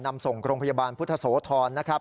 นำส่งโรงพยาบาลพุทธโสธรนะครับ